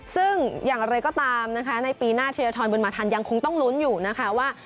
ซึ่งอย่างไรก็ตามนะคะในปีหน้าเทียทรบุญมาทันยังคงต้องลุ้นอยู่นะคะว่า